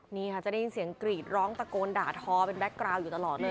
นี่ค่ะจะได้ยินเสียงกรีดร้องตะโกนด่าทอเป็นแก๊กกราวอยู่ตลอดเลย